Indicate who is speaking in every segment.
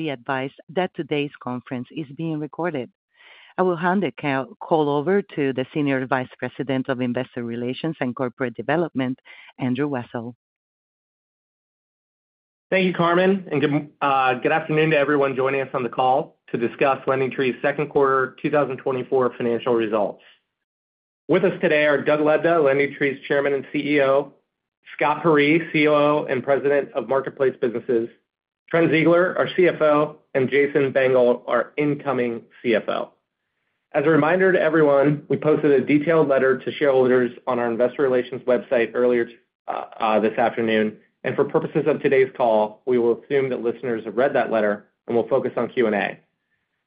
Speaker 1: Please be advised that today's conference is being recorded. I will hand the call over to the Senior Vice President of Investor Relations and Corporate Development, Andrew Wessel.
Speaker 2: Thank you, Carmen, and good afternoon to everyone joining us on the call to discuss LendingTree's second quarter 2024 financial results. With us today are Doug Lebda, LendingTree's Chairman and CEO; Scott Peyree, COO and President of Marketplace Businesses; Trent Ziegler, our CFO; and Jason Bengel, our incoming CFO. As a reminder to everyone, we posted a detailed letter to shareholders on our investor relations website earlier this afternoon, and for purposes of today's call, we will assume that listeners have read that letter and will focus on Q&A.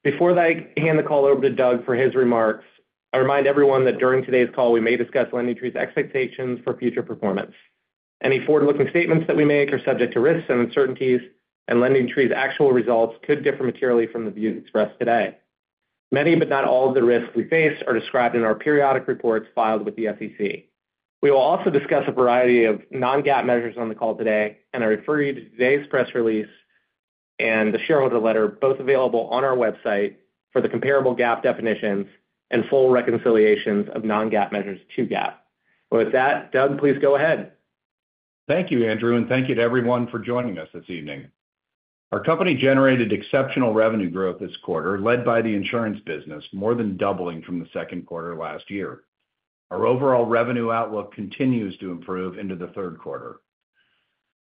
Speaker 2: Before I hand the call over to Doug for his remarks, I remind everyone that during today's call, we may discuss LendingTree's expectations for future performance. Any forward-looking statements that we make are subject to risks and uncertainties, and LendingTree's actual results could differ materially from the views expressed today. Many, but not all, of the risks we face are described in our periodic reports filed with the SEC. We will also discuss a variety of non-GAAP measures on the call today, and I refer you to today's press release and the shareholder letter, both available on our website, for the comparable GAAP definitions and full reconciliations of non-GAAP measures to GAAP. Well, with that, Doug, please go ahead.
Speaker 3: Thank you, Andrew, and thank you to everyone for joining us this evening. Our company generated exceptional revenue growth this quarter, led by the insurance business, more than doubling from the second quarter last year. Our overall revenue outlook continues to improve into the third quarter.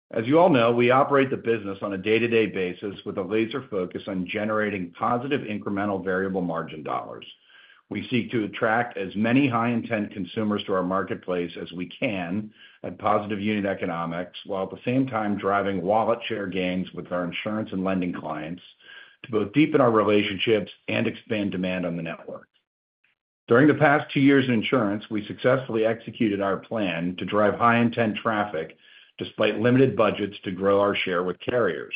Speaker 3: As you all know, we operate the business on a day-to-day basis with a laser focus on generating positive incremental variable margin dollars. We seek to attract as many high-intent consumers to our marketplace as we can at positive unit economics, while at the same time driving wallet share gains with our insurance and lending clients to both deepen our relationships and expand demand on the network. During the past two years in insurance, we successfully executed our plan to drive high-intent traffic despite limited budgets to grow our share with carriers.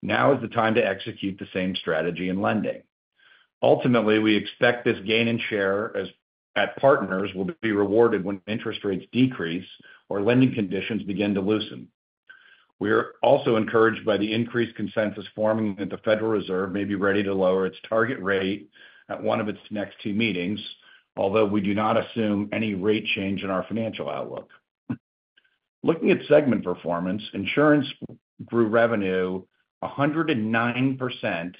Speaker 3: Now is the time to execute the same strategy in lending. Ultimately, we expect this gain in share at partners will be rewarded when interest rates decrease or lending conditions begin to loosen. We are also encouraged by the increased consensus forming that the Federal Reserve may be ready to lower its target rate at one of its next two meetings, although we do not assume any rate change in our financial outlook. Looking at segment performance, insurance grew revenue 109%,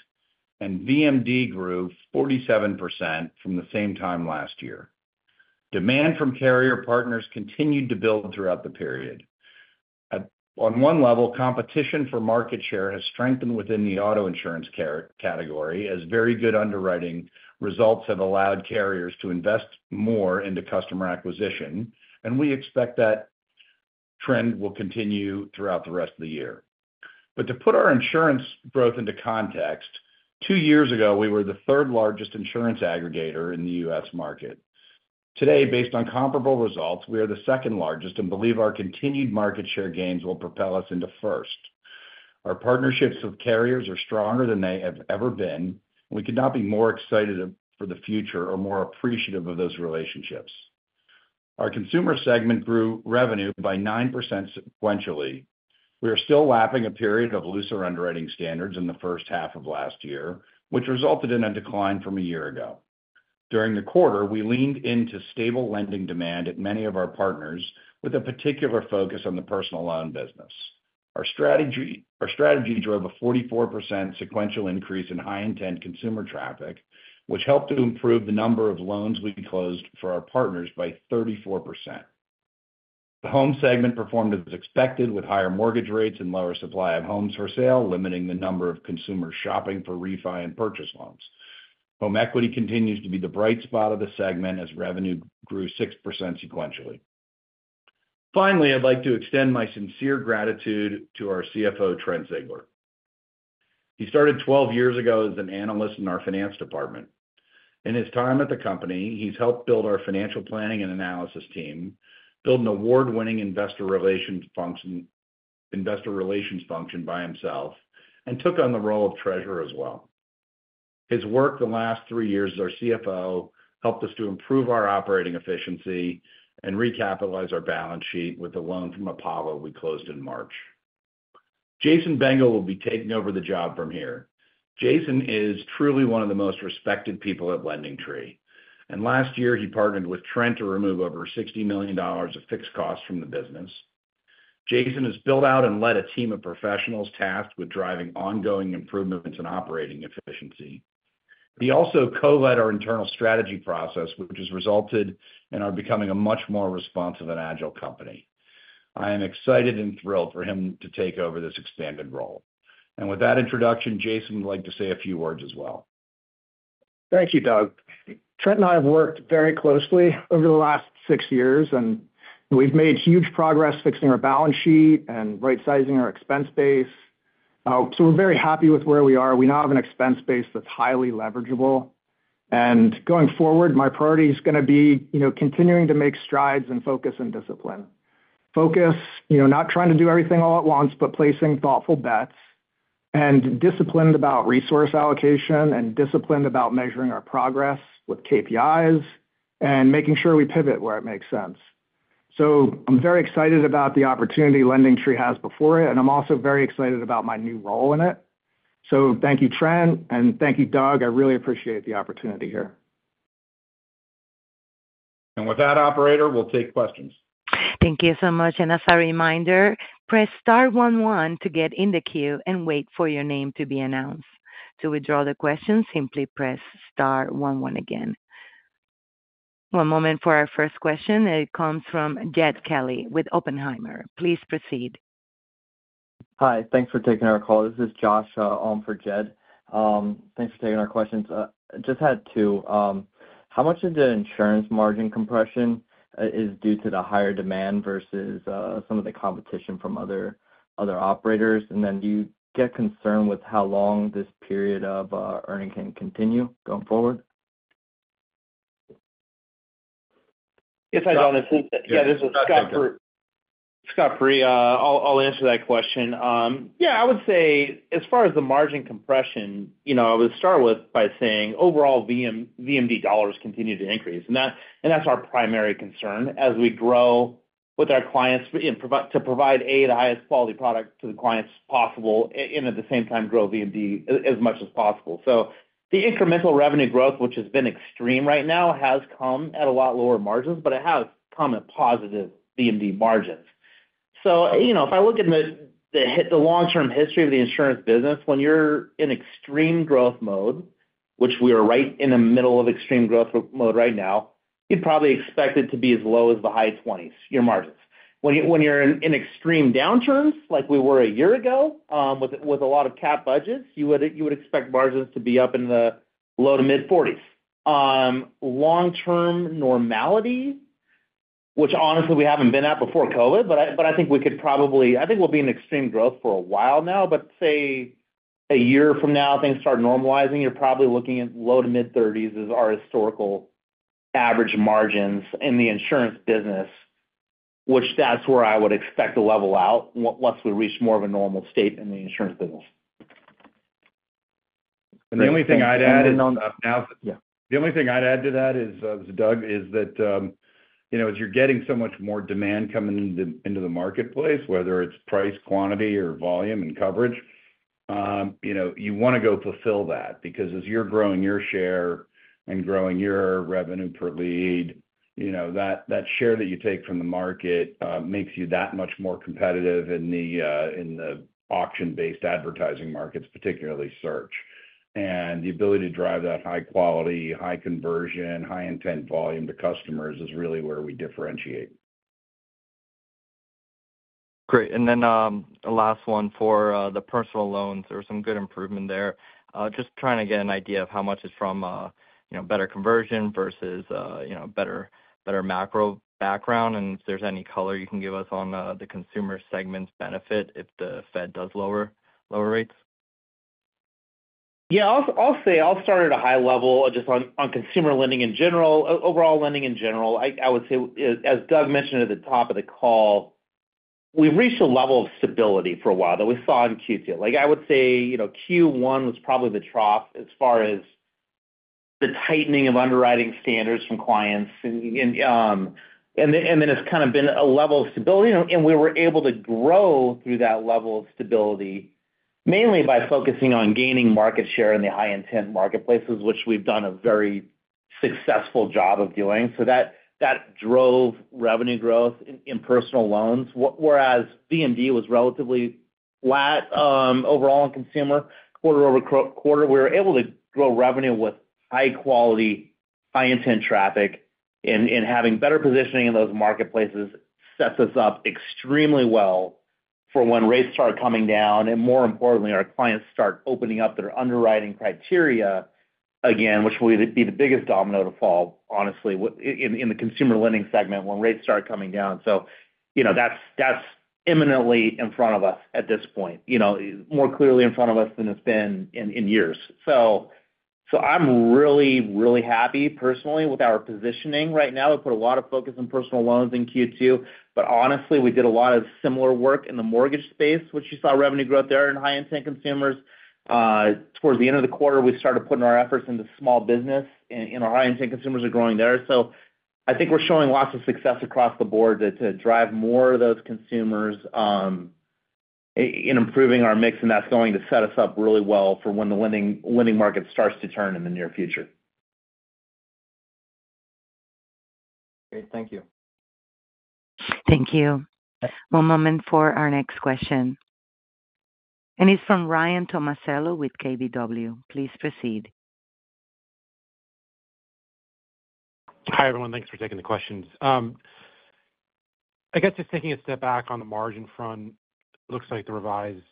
Speaker 3: and VMD grew 47% from the same time last year. Demand from carrier partners continued to build throughout the period. On one level, competition for market share has strengthened within the auto insurance carrier category, as very good underwriting results have allowed carriers to invest more into customer acquisition, and we expect that trend will continue throughout the rest of the year. But to put our insurance growth into context, two years ago, we were the third-largest insurance aggregator in the U.S. market. Today, based on comparable results, we are the second largest and believe our continued market share gains will propel us into first. Our partnerships with carriers are stronger than they have ever been. We could not be more excited for the future or more appreciative of those relationships. Our consumer segment grew revenue by 9% sequentially. We are still lapping a period of looser underwriting standards in the first half of last year, which resulted in a decline from a year ago. During the quarter, we leaned into stable lending demand at many of our partners, with a particular focus on the personal loan business. Our strategy, our strategy drove a 44% sequential increase in high-intent consumer traffic, which helped to improve the number of loans we closed for our partners by 34%. The home segment performed as expected, with higher mortgage rates and lower supply of homes for sale, limiting the number of consumers shopping for refi and purchase loans. Home equity continues to be the bright spot of the segment as revenue grew 6% sequentially. Finally, I'd like to extend my sincere gratitude to our CFO, Trent Ziegler. He started 12 years ago as an analyst in our finance department. In his time at the company, he's helped build our financial planning and analysis team, build an award-winning investor relations function, investor relations function by himself, and took on the role of treasurer as well. His work the last three years as our CFO helped us to improve our operating efficiency and recapitalize our balance sheet with a loan from Apollo, we closed in March. Jason Bengel will be taking over the job from here. Jason is truly one of the most respected people at LendingTree, and last year, he partnered with Trent to remove over $60 million of fixed costs from the business. Jason has built out and led a team of professionals tasked with driving ongoing improvements in operating efficiency. He also co-led our internal strategy process, which has resulted in our becoming a much more responsive and agile company. I am excited and thrilled for him to take over this expanded role. And with that introduction, Jason would like to say a few words as well.
Speaker 4: Thank you, Doug. Trent and I have worked very closely over the last six years, and we've made huge progress fixing our balance sheet and right-sizing our expense base. So we're very happy with where we are. We now have an expense base that's highly leverageable. And going forward, my priority is going to be, you know, continuing to make strides in focus and discipline. Focus, you know, not trying to do everything all at once, but placing thoughtful bets, and disciplined about resource allocation, and disciplined about measuring our progress with KPIs, and making sure we pivot where it makes sense.... So I'm very excited about the opportunity LendingTree has before it, and I'm also very excited about my new role in it. So thank you, Trent, and thank you, Doug. I really appreciate the opportunity here.
Speaker 3: And with that, operator, we'll take questions.
Speaker 1: Thank you so much. As a reminder, press star one one to get in the queue and wait for your name to be announced. To withdraw the question, simply press star one one again. One moment for our first question, it comes from Jed Kelly with Oppenheimer. Please proceed.
Speaker 5: Hi, thanks for taking our call. This is Josh, on for Jed. Thanks for taking our questions. Just had two. How much of the insurance margin compression is due to the higher demand versus some of the competition from other operators? And then, do you get concerned with how long this period of earning can continue going forward?
Speaker 6: Yeah, this is Scott Peyree. Scott Peyree. I'll answer that question. Yeah, I would say as far as the margin compression, you know, I would start with by saying overall VMD dollars continue to increase, and that, and that's our primary concern as we grow with our clients, to provide the highest quality product to the clients possible, and at the same time, grow VMD as much as possible. So the incremental revenue growth, which has been extreme right now, has come at a lot lower margins, but it has come at positive VMD margins. So, you know, if I look at the long-term history of the insurance business, when you're in extreme growth mode, which we are right in the middle of extreme growth mode right now, you'd probably expect it to be as low as the high 20s, your margins. When you're in extreme downturns, like we were a year ago, with a lot of capped budgets, you would expect margins to be up in the low-to-mid 40s. Long-term normality, which honestly, we haven't been at before COVID, but I think we could probably... I think we'll be in extreme growth for a while now, but say, a year from now, things start normalizing, you're probably looking at low to mid-30s as our historical average margins in the insurance business, which that's where I would expect to level out once we reach more of a normal state in the insurance business. The only thing I'd add-
Speaker 5: And then on... Yeah.
Speaker 6: The only thing I'd add to that is, Doug, is that, you know, as you're getting so much more demand coming into the marketplace, whether it's price, quantity, or volume and coverage, you know, you wanna go fulfill that because as you're growing your share and growing your revenue per lead, you know, that, that share that you take from the market, makes you that much more competitive in the auction-based advertising markets, particularly search. And the ability to drive that high quality, high conversion, high intent volume to customers is really where we differentiate.
Speaker 5: Great. And then, the last one for the personal loans. There was some good improvement there. Just trying to get an idea of how much is from, you know, better conversion versus, you know, better, better macro background, and if there's any color you can give us on the consumer segment's benefit, if the Fed does lower, lower rates?
Speaker 6: Yeah, I'll say I'll start at a high level just on consumer lending in general, overall lending in general. I would say, as Doug mentioned at the top of the call, we've reached a level of stability for a while that we saw in Q2. Like, I would say, you know, Q1 was probably the trough as far as the tightening of underwriting standards from clients. And then it's kind of been a level of stability, and we were able to grow through that level of stability, mainly by focusing on gaining market share in the high-intent marketplaces, which we've done a very successful job of doing. So that drove revenue growth in personal loans, whereas VMD was relatively flat, overall in consumer quarter-over-quarter. We were able to grow revenue with high quality, high intent traffic, and having better positioning in those marketplaces sets us up extremely well for when rates start coming down, and more importantly, our clients start opening up their underwriting criteria again, which will be the biggest domino to fall, honestly, in the consumer lending segment, when rates start coming down. So, you know, that's imminently in front of us at this point, you know, more clearly in front of us than it's been in years. So, I'm really, really happy personally with our positioning right now. We put a lot of focus on personal loans in Q2, but honestly, we did a lot of similar work in the mortgage space, which you saw revenue growth there in high-intent consumers. Towards the end of the quarter, we started putting our efforts into small business, and our high-intent consumers are growing there. So I think we're showing lots of success across the board to drive more of those consumers in improving our mix, and that's going to set us up really well for when the lending market starts to turn in the near future.
Speaker 5: Great. Thank you.
Speaker 1: Thank you. One moment for our next question. It's from Ryan Tomasello with KBW. Please proceed.
Speaker 7: Hi, everyone. Thanks for taking the questions. I guess just taking a step back on the margin front, looks like the revised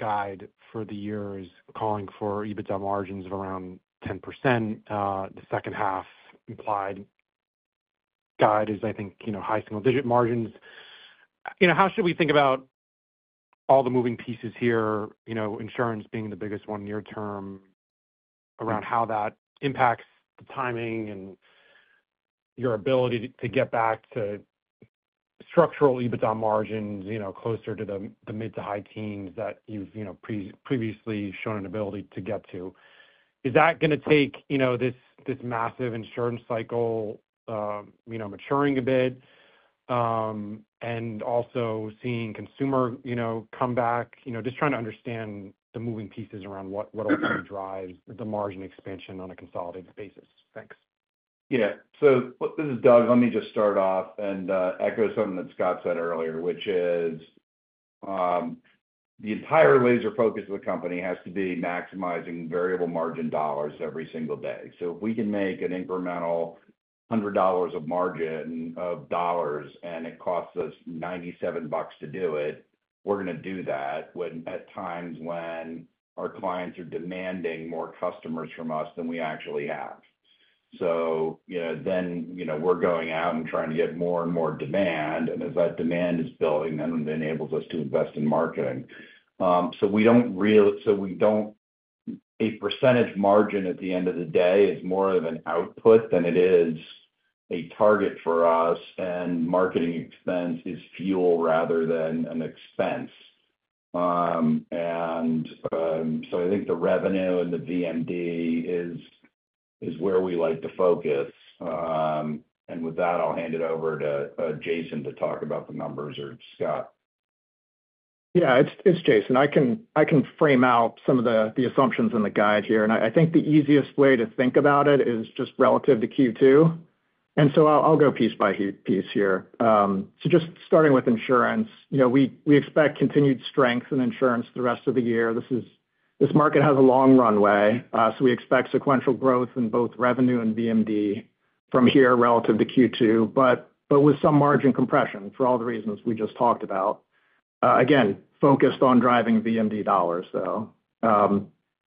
Speaker 7: guide for the year is calling for EBITDA margins of around 10%. The second half implied guide is, I think, you know, high single-digit margins. You know, how should we think about all the moving pieces here, you know, insurance being the biggest one near term, around how that impacts the timing and your ability to get back to structural EBITDA margins, you know, closer to the mid- to high teens that you've, you know, previously shown an ability to get to? Is that gonna take, you know, this massive insurance cycle, you know, maturing a bit, and also seeing consumer, you know, come back? You know, just trying to understand the moving pieces around what, what will drive the margin expansion on a consolidated basis. Thanks.
Speaker 3: Yeah. So this is Doug. Let me just start off and echo something that Scott said earlier, which is the entire laser focus of the company has to be maximizing variable margin dollars every single day. So if we can make an incremental $100 of margin dollars, and it costs us $97 to do it, we're gonna do that when at times when our clients are demanding more customers from us than we actually have. So, you know, then, you know, we're going out and trying to get more and more demand, and as that demand is building, then it enables us to invest in marketing. So we don't... A percentage margin at the end of the day is more of an output than it is a target for us, and marketing expense is fuel rather than an expense. So I think the revenue and the VMD is where we like to focus. With that, I'll hand it over to Jason to talk about the numbers, or Scott.
Speaker 4: Yeah, it's Jason. I can frame out some of the assumptions in the guide here, and I think the easiest way to think about it is just relative to Q2, and so I'll go piece by piece here. So just starting with insurance, you know, we expect continued strength in insurance for the rest of the year. This market has a long runway, so we expect sequential growth in both revenue and VMD from here relative to Q2, but with some margin compression, for all the reasons we just talked about. Again, focused on driving VMD dollars, though.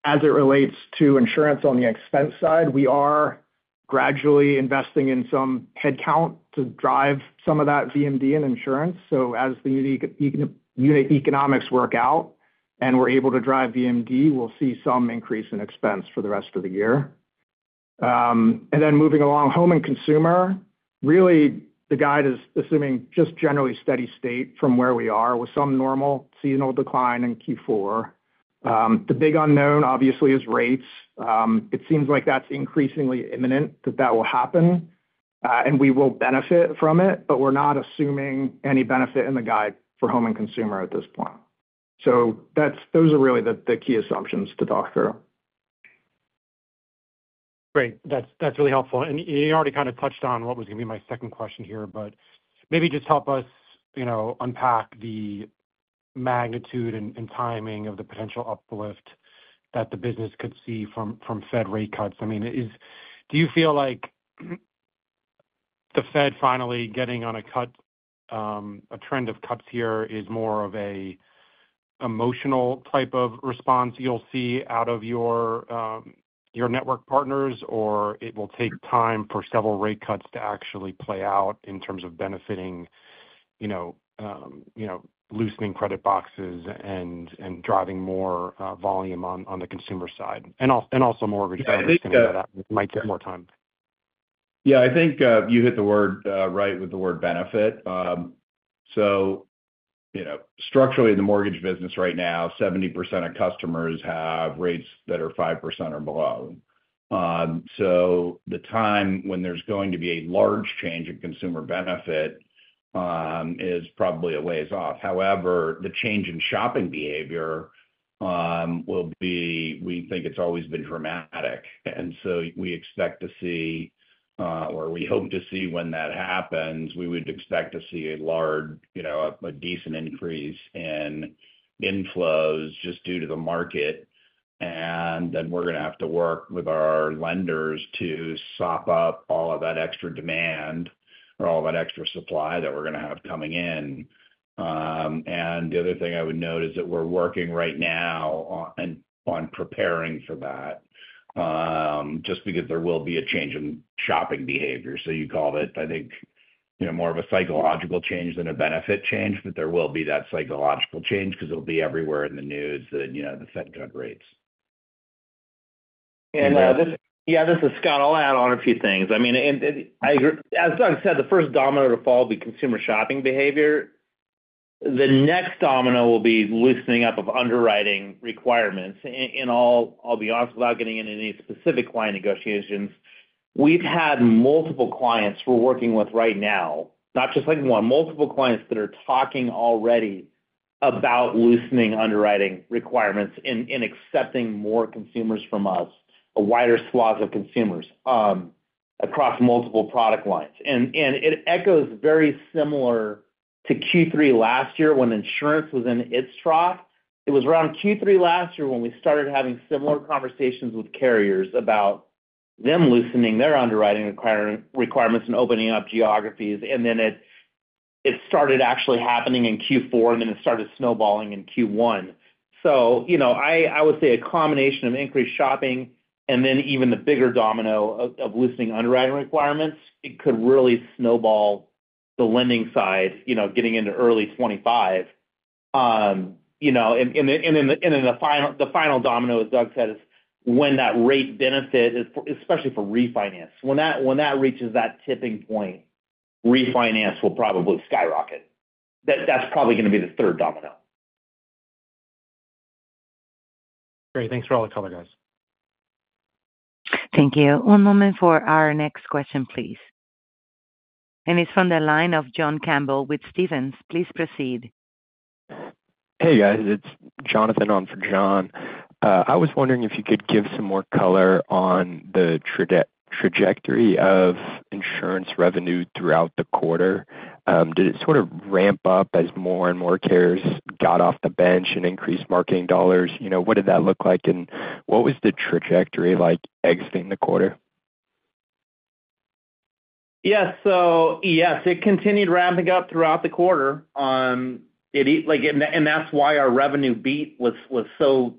Speaker 4: As it relates to insurance on the expense side, we are gradually investing in some headcount to drive some of that VMD and insurance. So as the unit economics work out and we're able to drive VMD, we'll see some increase in expense for the rest of the year. And then moving along, home and consumer, really, the guide is assuming just generally steady state from where we are, with some normal seasonal decline in Q4. The big unknown, obviously, is rates. It seems like that's increasingly imminent, that that will happen, and we will benefit from it, but we're not assuming any benefit in the guide for home and consumer at this point. So that's those are really the, the key assumptions to talk through.
Speaker 7: Great. That's really helpful. And you already kind of touched on what was gonna be my second question here, but maybe just help us, you know, unpack the magnitude and timing of the potential uplift that the business could see from Fed rate cuts. I mean, is—do you feel like the Fed finally getting on a cut, a trend of cuts here is more of a emotional type of response you'll see out of your your network partners, or it will take time for several rate cuts to actually play out in terms of benefiting, you know, loosening credit boxes and driving more volume on the consumer side, and also mortgage? I'm thinking that might take more time.
Speaker 3: Yeah, I think you hit the word right with the word benefit. So, you know, structurally, in the mortgage business right now, 70% of customers have rates that are 5% or below. So the time when there's going to be a large change in consumer benefit is probably a ways off. However, the change in shopping behavior will be, we think it's always been dramatic, and so we expect to see, or we hope to see when that happens, we would expect to see a large, you know, a decent increase in inflows just due to the market. And then we're gonna have to work with our lenders to sop up all of that extra demand or all that extra supply that we're gonna have coming in. And the other thing I would note is that we're working right now on preparing for that, just because there will be a change in shopping behavior. So you called it, I think, you know, more of a psychological change than a benefit change, but there will be that psychological change because it'll be everywhere in the news that, you know, the Fed cut rates.
Speaker 6: And, yeah, this is Scott. I'll add on a few things. I mean, and I agree. As Doug said, the first domino to fall will be consumer shopping behavior. The next domino will be loosening up of underwriting requirements. In all, I'll be honest, without getting into any specific client negotiations, we've had multiple clients we're working with right now, not just one, multiple clients that are talking already about loosening underwriting requirements and accepting more consumers from us, a wider swath of consumers across multiple product lines. And it echoes very similar to Q3 last year when insurance was in its trough. It was around Q3 last year when we started having similar conversations with carriers about them loosening their underwriting requirements and opening up geographies, and then it started actually happening in Q4, and then it started snowballing in Q1. So, you know, I, I would say a combination of increased shopping and then even the bigger domino of, of loosening underwriting requirements, it could really snowball the lending side, you know, getting into early 2025. You know, and, and then, and then the final, the final domino, as Doug said, is when that rate benefit, especially for refinance, when that, when that reaches that tipping point, refinance will probably skyrocket. That's probably gonna be the third domino....
Speaker 7: Great. Thanks for all the color, guys.
Speaker 8: Thank you. One moment for our next question, please. It's from the line of John Campbell with Stephens. Please proceed. Hey, guys, it's Jonathan on for John. I was wondering if you could give some more color on the trajectory of insurance revenue throughout the quarter. Did it sort of ramp up as more and more carriers got off the bench and increased marketing dollars? You know, what did that look like, and what was the trajectory like exiting the quarter?
Speaker 6: Yeah. So, yes, it continued ramping up throughout the quarter. It, like, and, and that's why our revenue beat was, was so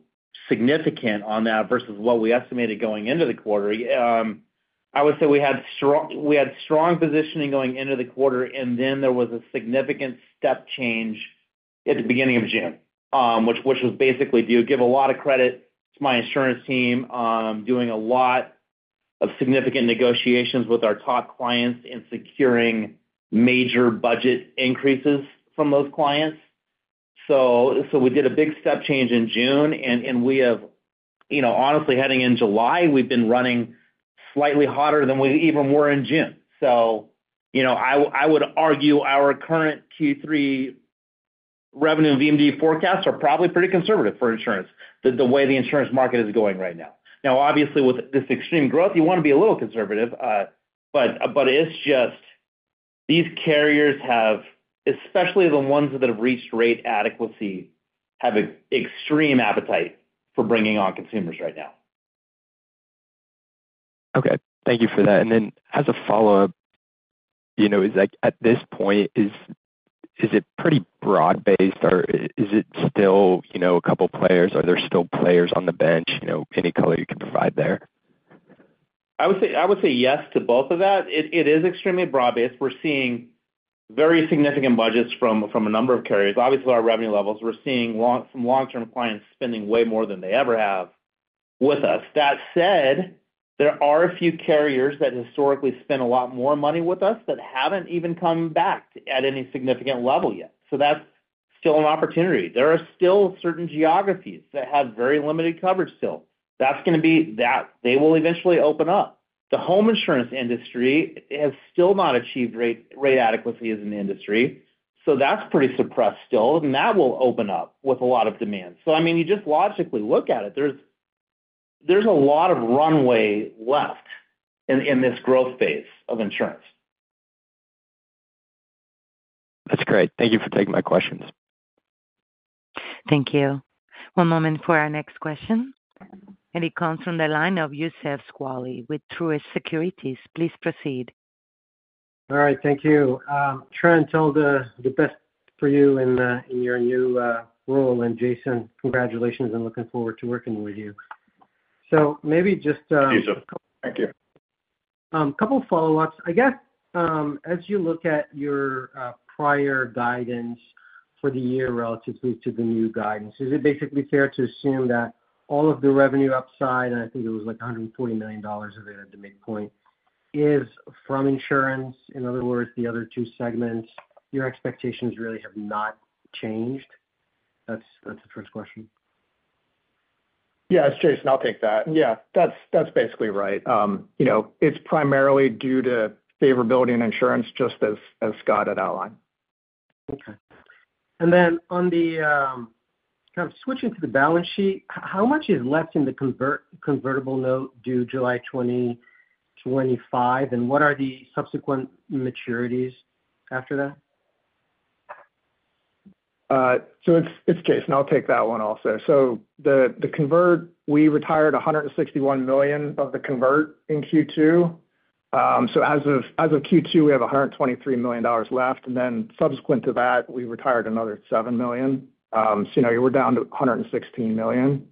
Speaker 6: significant on that versus what we estimated going into the quarter. I would say we had strong, we had strong positioning going into the quarter, and then there was a significant step change at the beginning of June, which was basically to give a lot of credit to my insurance team on doing a lot of significant negotiations with our top clients and securing major budget increases from those clients. So, so we did a big step change in June, and, and we have, you know, honestly, heading into July, we've been running slightly hotter than we even were in June. So, you know, I would argue our current Q3 revenue and VMD forecasts are probably pretty conservative for insurance, the way the insurance market is going right now. Now, obviously, with this extreme growth, you wanna be a little conservative, but it's just these carriers have, especially the ones that have reached rate adequacy, have an extreme appetite for bringing on consumers right now. Okay. Thank you for that. And then as a follow-up, you know, like, at this point, is it pretty broad-based, or is it still, you know, a couple of players? Are there still players on the bench? You know, any color you can provide there?
Speaker 8: I would say yes to both of that. It is extremely broad-based. We're seeing very significant budgets from a number of carriers. Obviously, our revenue levels, we're seeing long-term clients spending way more than they ever have with us. That said, there are a few carriers that historically spend a lot more money with us that haven't even come back at any significant level yet. So that's still an opportunity. There are still certain geographies that have very limited coverage still. That's gonna be that they will eventually open up. The home insurance industry has still not achieved rate adequacy as an industry, so that's pretty suppressed still, and that will open up with a lot of demand. So I mean, you just logically look at it. There's a lot of runway left in this growth phase of insurance. That's great. Thank you for taking my questions.
Speaker 1: Thank you. One moment for our next question, and it comes from the line of Youssef Squali with Truist Securities. Please proceed.
Speaker 9: All right, thank you. Trent, all the best for you in your new role. And, Jason, congratulations, and looking forward to working with you. So maybe just-
Speaker 4: Thank you, sir. Thank you.
Speaker 9: A couple follow-ups. I guess, as you look at your prior guidance for the year relatively to the new guidance, is it basically fair to assume that all of the revenue upside, and I think it was like $140 million of it at the midpoint, is from insurance? In other words, the other two segments, your expectations really have not changed? That's the first question.
Speaker 4: Yeah, it's Jason. I'll take that. Yeah, that's, that's basically right. You know, it's primarily due to favorability and insurance, just as, as Scott had outlined.
Speaker 9: Okay. And then on the kind of switching to the balance sheet, how much is left in the convertible note due July 2025, and what are the subsequent maturities after that?
Speaker 4: So it's Jason, I'll take that one also. So the convert, we retired $161 million of the convert in Q2. So as of Q2, we have $123 million left, and then subsequent to that, we retired another $7 million. So, you know, we're down to $116 million.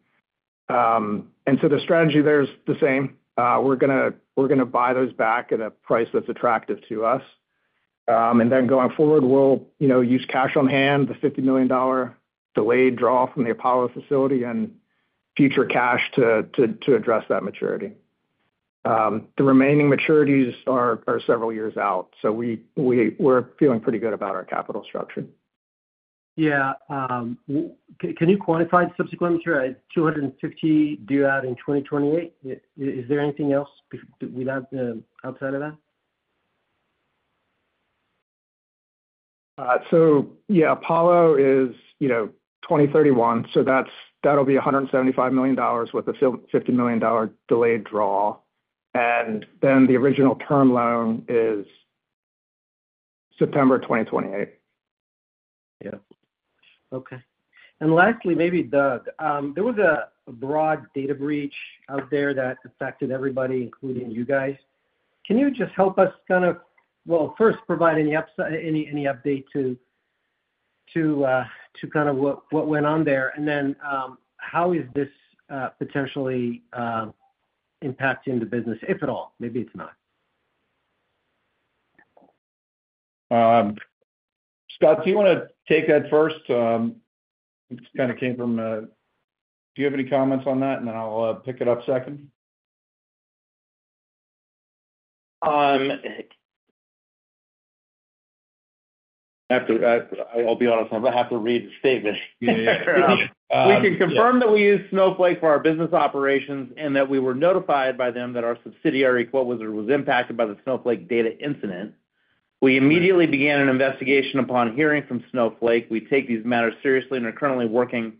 Speaker 4: And so the strategy there is the same. We're gonna buy those back at a price that's attractive to us. And then going forward, we'll, you know, use cash on hand, the $50 million delayed draw from the Apollo facility and future cash to address that maturity. The remaining maturities are several years out, so we're feeling pretty good about our capital structure.
Speaker 9: Yeah, can you quantify the subsequent maturity? 250 due out in 2028. Is there anything else without, outside of that?
Speaker 4: So yeah, Apollo is, you know, 2031, so that's, that'll be $175 million with a $50 million delayed draw, and then the original term loan is September 2028.
Speaker 9: Yeah. Okay. And lastly, maybe, Doug, there was a broad data breach out there that affected everybody, including you guys. Can you just help us kind of... Well, first, provide any update to kind of what went on there? And then, how is this potentially impacting the business, if at all? Maybe it's not.
Speaker 4: Scott, do you wanna take that first? It's kind of came from... Do you have any comments on that, and then I'll pick it up second?...
Speaker 6: I have to, I'll be honest, I'm gonna have to read the statement.
Speaker 4: We can confirm that we use Snowflake for our business operations, and that we were notified by them that our subsidiary, QuoteWizard, was impacted by the Snowflake data incident. We immediately began an investigation upon hearing from Snowflake. We take these matters seriously and are currently working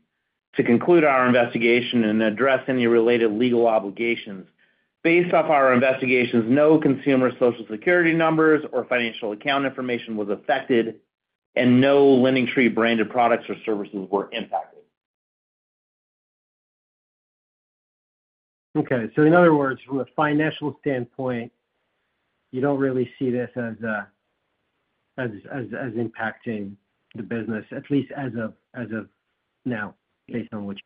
Speaker 4: to conclude our investigation and address any related legal obligations. Based off our investigations, no consumer Social Security numbers or financial account information was affected, and no LendingTree branded products or services were impacted.
Speaker 9: Okay. So in other words, from a financial standpoint, you don't really see this as a impacting the business, at least as of now, based on what-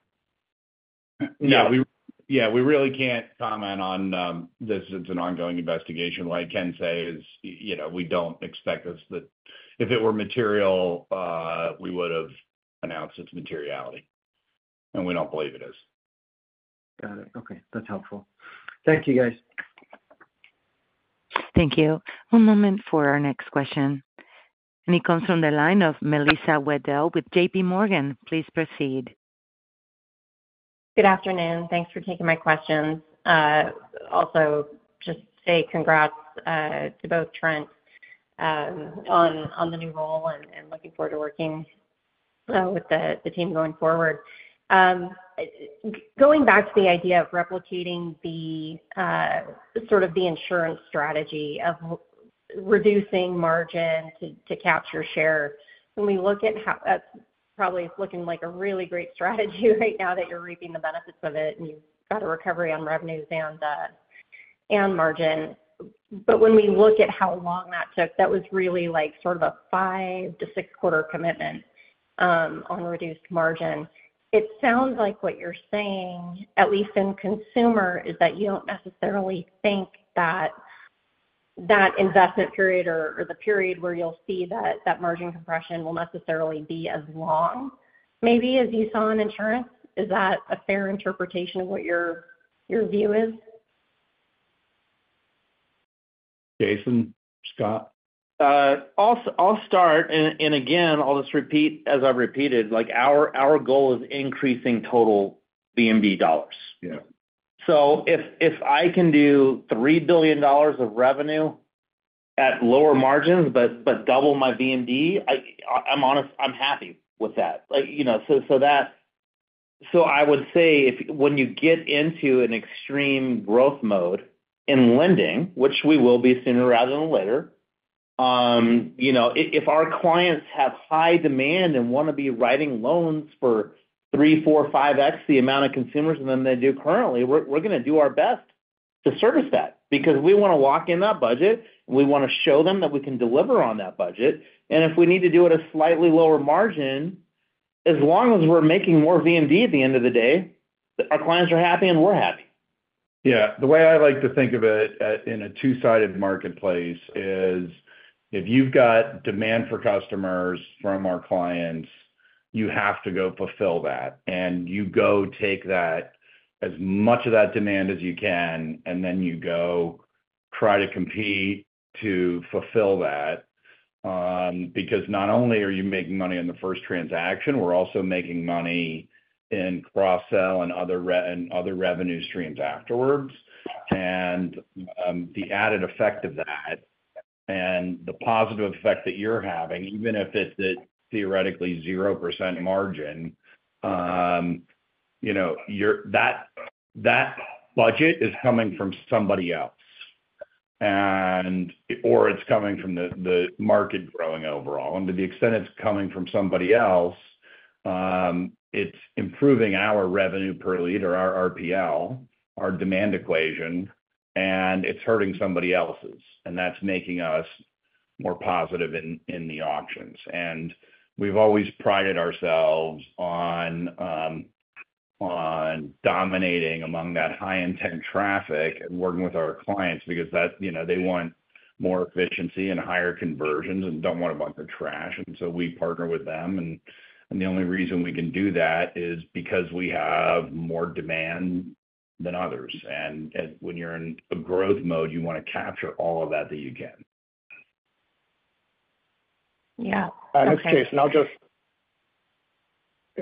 Speaker 4: No, yeah, we really can't comment on this. It's an ongoing investigation. What I can say is, you know, we don't expect this, that. If it were material, we would've announced its materiality, and we don't believe it is.
Speaker 9: Got it. Okay, that's helpful. Thank you, guys.
Speaker 1: Thank you. One moment for our next question, and it comes from the line of Melissa Wedel with J.P. Morgan. Please proceed.
Speaker 10: Good afternoon. Thanks for taking my questions. Also, just say congrats to both Trent on the new role and looking forward to working with the team going forward. Going back to the idea of replicating the sort of the insurance strategy of reducing margin to capture share. When we look at how that-- That's probably looking like a really great strategy right now that you're reaping the benefits of it, and you've got a recovery on revenues and margin. But when we look at how long that took, that was really, like, sort of a 5-6 quarter commitment on reduced margin. It sounds like what you're saying, at least in consumer, is that you don't necessarily think that that investment period or, or the period where you'll see that, that margin compression will necessarily be as long, maybe, as you saw in insurance. Is that a fair interpretation of what your, your view is?
Speaker 3: Jason? Scott?
Speaker 6: I'll start, and again, I'll just repeat, as I've repeated, like, our goal is increasing total VMD dollars.
Speaker 3: Yeah.
Speaker 6: So if I can do $3 billion of revenue at lower margins but double my VMD, I'm honest, I'm happy with that. Like, you know, so that. So I would say if, when you get into an extreme growth mode in lending, which we will be sooner rather than later, you know, if our clients have high demand and wanna be writing loans for 3, 4, 5x the amount of consumers than they do currently, we're gonna do our best to service that. Because we wanna lock in that budget, we wanna show them that we can deliver on that budget, and if we need to do it at a slightly lower margin, as long as we're making more VMD at the end of the day, our clients are happy, and we're happy.
Speaker 4: Yeah. The way I like to think of it, in a two-sided marketplace is, if you've got demand for customers from our clients, you have to go fulfill that. And you go take that, as much of that demand as you can, and then you go try to compete to fulfill that. Because not only are you making money on the first transaction, we're also making money in cross-sell and other revenue streams afterwards. And, the added effect of that and the positive effect that you're having, even if it's at theoretically zero percent margin, you know, you're, that, that budget is coming from somebody else, and/or it's coming from the, the market growing overall. To the extent it's coming from somebody else, it's improving our revenue per lead or our RPL, our demand equation, and it's hurting somebody else's, and that's making us more positive in the auctions. We've always prided ourselves on dominating among that high-intent traffic and working with our clients because that, you know, they want more efficiency and higher conversions and don't want a bunch of trash, and so we partner with them. The only reason we can do that is because we have more demand than others. When you're in a growth mode, you wanna capture all of that you can.
Speaker 10: Yeah. Okay.
Speaker 4: And I'll just-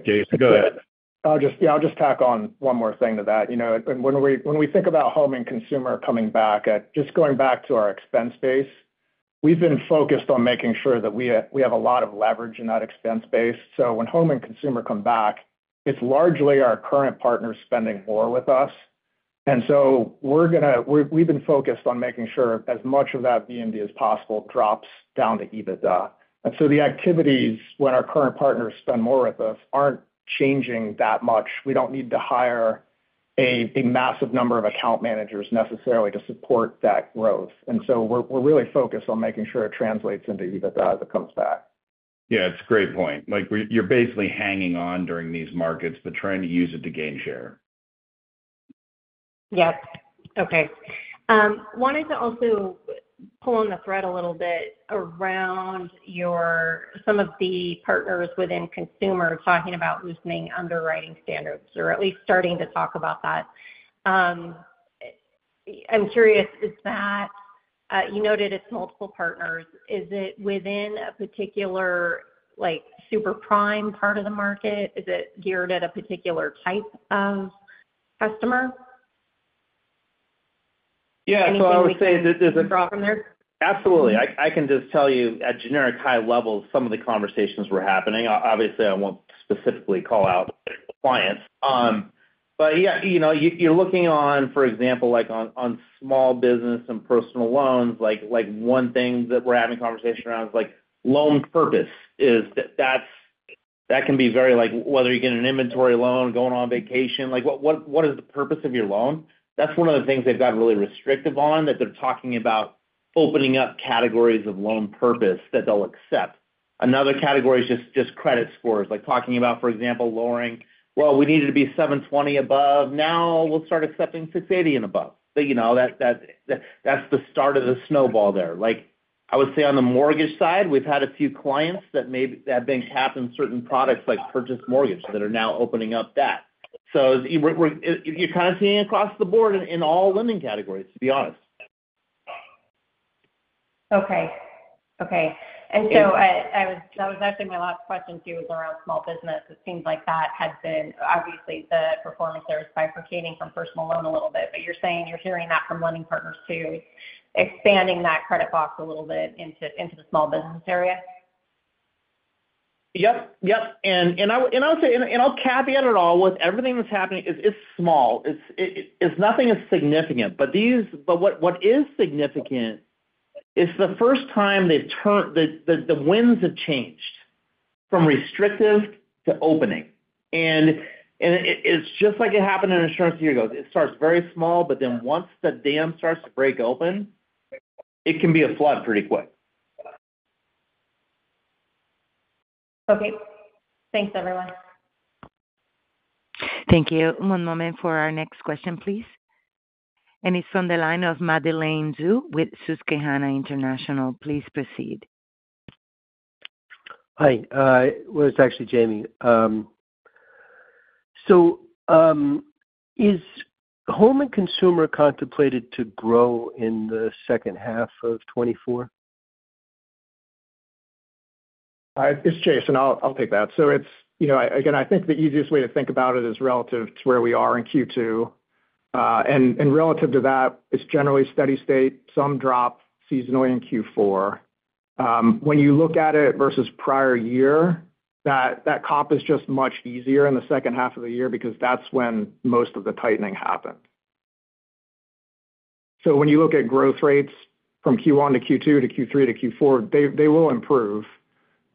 Speaker 3: Jason, go ahead.
Speaker 4: I'll just tack on one more thing to that, you know, and when we think about home and consumer coming back, just going back to our expense base, we've been focused on making sure that we have a lot of leverage in that expense base. So when home and consumer come back, it's largely our current partners spending more with us. And so we're gonna. We've been focused on making sure as much of that VMD as possible drops down to EBITDA. And so the activities, when our current partners spend more with us, aren't changing that much. We don't need to hire a massive number of account managers necessarily to support that growth. And so we're really focused on making sure it translates into EBITDA as it comes back.
Speaker 3: Yeah, it's a great point. Like, we're—you're basically hanging on during these markets, but trying to use it to gain share.
Speaker 10: Yep. Okay. Wanted to also pull the thread a little bit around some of the partners within consumer talking about loosening underwriting standards, or at least starting to talk about that. I'm curious, is that you noted it's multiple partners. Is it within a particular, like, super prime part of the market? Is it geared at a particular type of customer?
Speaker 6: Yeah. So I would say-
Speaker 10: Draw from there?
Speaker 6: Absolutely. I can just tell you at generic high level, some of the conversations were happening. Obviously, I won't specifically call out clients. But, yeah, you know, you're looking on, for example, like on small business and personal loans, like, one thing that we're having a conversation around is like loan purpose, that's that can be very like whether you get an inventory loan, going on vacation, like, what is the purpose of your loan? That's one of the things they've gotten really restrictive on, that they're talking about opening up categories of loan purpose that they'll accept. Another category is just credit scores, like talking about, for example, lowering. Well, we needed to be 720 above. Now we'll start accepting 680 and above. But you know that, that's the start of the snowball there. Like, I would say on the mortgage side, we've had a few clients that may have been capped in certain products, like purchase mortgage, that are now opening up that. So we're—you're kind of seeing it across the board in all lending categories, to be honest.
Speaker 10: Okay. Okay. So, that was actually my last question to you, was around small business. It seems like that has been obviously the performance there is bifurcating from personal loan a little bit, but you're saying you're hearing that from lending partners, too, expanding that credit box a little bit into the small business area?
Speaker 6: Yep, yep. And I would say, and I'll caveat it at all, with everything that's happening, it's small. It's nothing as significant, but what is significant, it's the first time the turn, the winds have changed from restrictive to opening. And it, it's just like it happened in insurance a few years ago. It starts very small, but then once the dam starts to break open, it can be a flood pretty quick.
Speaker 10: Okay. Thanks, everyone.
Speaker 1: Thank you. One moment for our next question, please. It's on the line of James Friedman with Susquehanna International. Please proceed.
Speaker 11: Hi, well, it's actually Jamie. So, is home and consumer contemplated to grow in the second half of 2024?
Speaker 4: Hi, it's Jason. I'll take that. So it's... You know, again, I think the easiest way to think about it is relative to where we are in Q2. And relative to that, it's generally steady state, some drop seasonally in Q4. When you look at it versus prior year, that comp is just much easier in the second half of the year because that's when most of the tightening happened. So when you look at growth rates from Q1 to Q2 to Q3 to Q4, they will improve,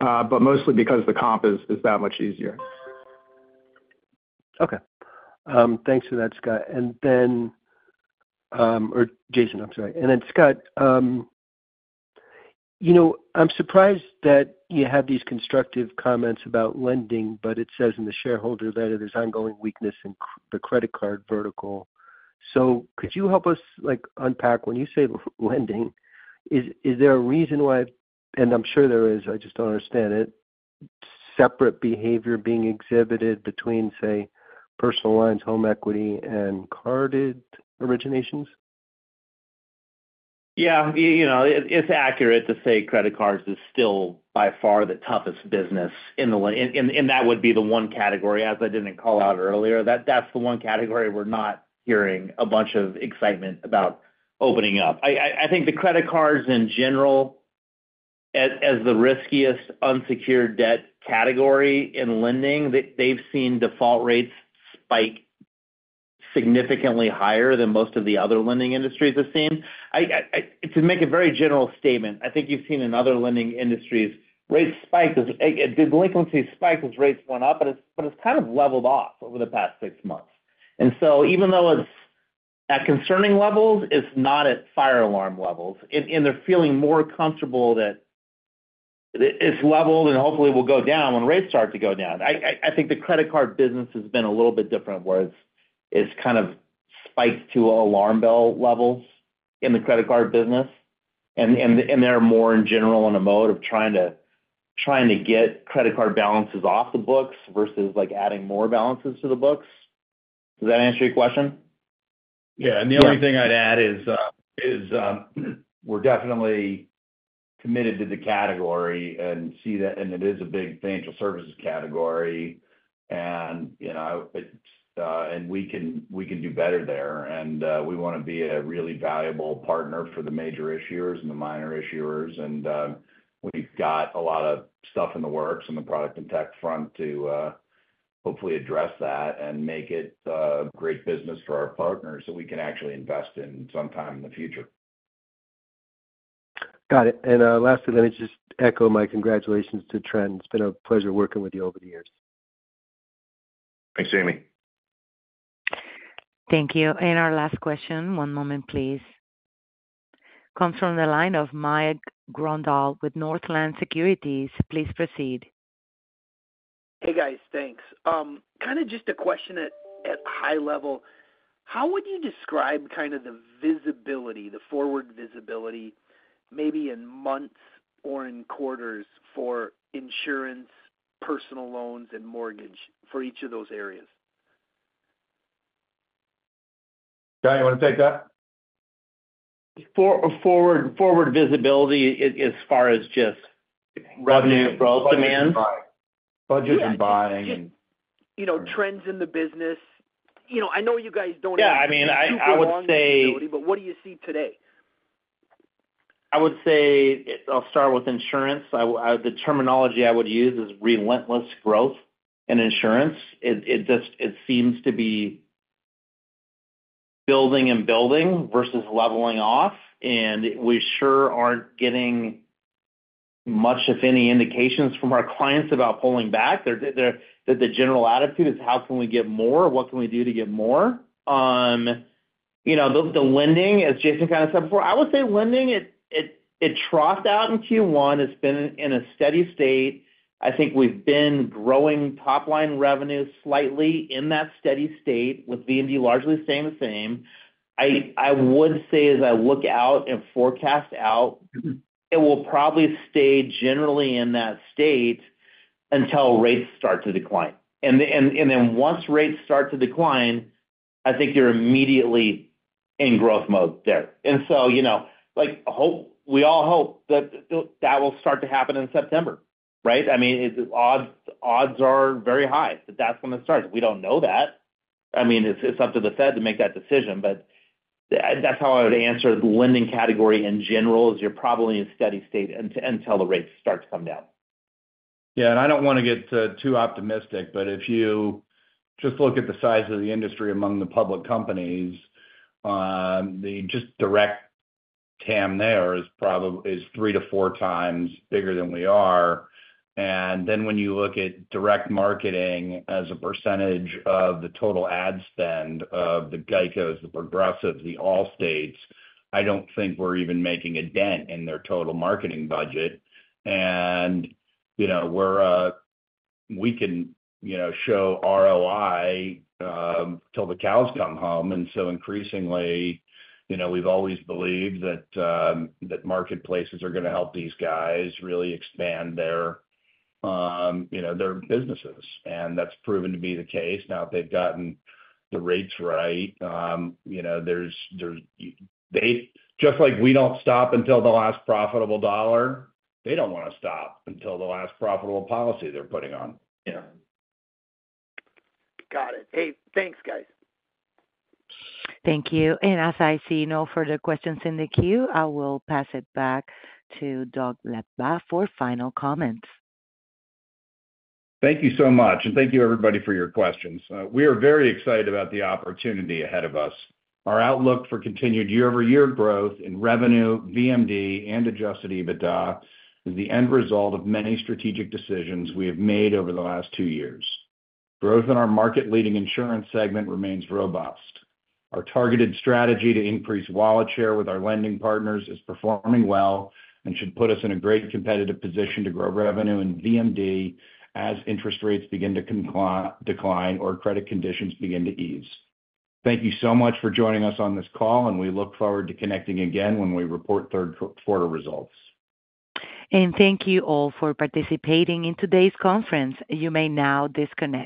Speaker 4: but mostly because the comp is that much easier.
Speaker 11: Okay. Thanks for that, Scott. And then, or Jason, I'm sorry. And then Scott, you know, I'm surprised that you have these constructive comments about lending, but it says in the shareholder letter, there's ongoing weakness in the credit card vertical. So could you help us, like, unpack? When you say lending, is there a reason why, and I'm sure there is, I just don't understand it, separate behavior being exhibited between, say, personal lines, home equity, and credit card originations?
Speaker 6: Yeah, you know, it's accurate to say credit cards is still by far the toughest business in the lending, and that would be the one category, as I didn't call out earlier, that's the one category we're not hearing a bunch of excitement about opening up. I think the credit cards in general, as the riskiest unsecured debt category in lending, they've seen default rates spike significantly higher than most of the other lending industries have seen. To make a very general statement, I think you've seen in other lending industries, rates spike as delinquencies spike as rates went up, but it's kind of leveled off over the past six months. And so even though it's at concerning levels, it's not at fire alarm levels, and they're feeling more comfortable that it's leveled and hopefully will go down when rates start to go down. I think the credit card business has been a little bit different, where it's kind of spiked to alarm bell levels in the credit card business, and they're more in general in a mode of trying to get credit card balances off the books versus, like, adding more balances to the books. Does that answer your question?
Speaker 11: Yeah.
Speaker 4: Yeah. And the only thing I'd add is we're definitely committed to the category and see that and it is a big financial services category. And, you know, it's and we can do better there, and we want to be a really valuable partner for the major issuers and the minor issuers. And, we've got a lot of stuff in the works on the product and tech front to hopefully address that and make it a great business for our partners that we can actually invest in sometime in the future.
Speaker 11: Got it. And, lastly, let me just echo my congratulations to Trent. It's been a pleasure working with you over the years.
Speaker 4: Thanks, Amy.
Speaker 1: Thank you. And our last question, one moment, please, comes from the line of Mike Grondahl with Northland Securities. Please proceed....
Speaker 12: Hey, guys, thanks. Kind of just a question at a high level, how would you describe kind of the visibility, the forward visibility, maybe in months or in quarters for insurance, personal loans, and mortgage for each of those areas?
Speaker 3: John, you want to take that?
Speaker 4: Forward visibility as far as just revenue growth demand?
Speaker 3: Budget and buying.
Speaker 12: You know, trends in the business. You know, I know you guys don't-
Speaker 4: Yeah, I mean, I would say-
Speaker 12: What do you see today?
Speaker 4: I would say, I'll start with insurance. I the terminology I would use is relentless growth in insurance. It just seems to be building and building versus leveling off, and we sure aren't getting much, if any, indications from our clients about pulling back. The general attitude is: How can we get more? What can we do to get more? You know, the lending, as Jason kind of said before, I would say lending, it troughed out in Q1. It's been in a steady state. I think we've been growing top-line revenues slightly in that steady state, with VMD largely staying the same. I would say, as I look out and forecast out, it will probably stay generally in that state until rates start to decline. And then once rates start to decline, I think you're immediately in growth mode there. And so, you know, like, we all hope that that will start to happen in September, right? I mean, the odds are very high that that's when it starts. We don't know that. I mean, it's up to the Fed to make that decision, but that's how I would answer the lending category in general, is you're probably in steady state until the rates start to come down.
Speaker 3: Yeah, and I don't want to get, too optimistic, but if you just look at the size of the industry among the public companies, the just direct TAM there is 3-4 times bigger than we are. And then when you look at direct marketing as a percentage of the total ad spend of the GEICOs, the Progressives, the Allstates, I don't think we're even making a dent in their total marketing budget. And, you know, we're, we can, you know, show ROI, till the cows come home. And so increasingly, you know, we've always believed that, that marketplaces are going to help these guys really expand their, you know, their businesses, and that's proven to be the case. Now, if they've gotten the rates right, you know, there's, there's -- They... Just like we don't stop until the last profitable dollar, they don't want to stop until the last profitable policy they're putting on, you know?
Speaker 12: Got it. Hey, thanks, guys.
Speaker 1: Thank you. As I see no further questions in the queue, I will pass it back to Doug Lebda for final comments.
Speaker 3: Thank you so much, and thank you, everybody, for your questions. We are very excited about the opportunity ahead of us. Our outlook for continued year-over-year growth in revenue, VMD, and adjusted EBITDA is the end result of many strategic decisions we have made over the last two years. Growth in our market-leading insurance segment remains robust. Our targeted strategy to increase wallet share with our lending partners is performing well and should put us in a great competitive position to grow revenue and VMD as interest rates begin to decline or credit conditions begin to ease. Thank you so much for joining us on this call, and we look forward to connecting again when we report third quarter results.
Speaker 1: Thank you all for participating in today's conference. You may now disconnect.